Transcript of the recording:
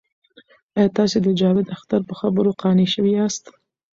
آیا تاسې د جاوید اختر په خبرو قانع شوي یاست؟